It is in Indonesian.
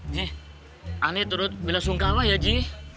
jih aneh turut bila sungkawa ya ji